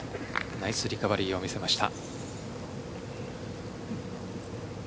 ナイスリカバリーを見せました。